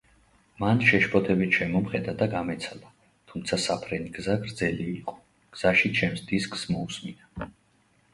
მან შეშფოთებით შემომხედა და გამეცალა, თუმცა საფრენი გზა გრძელი იყო, გზაში ჩემს დისკს მოუსმინა.